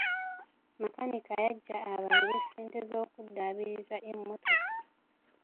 Makanika yajja abanje ssente z'okuddaabiriza e mmotoka.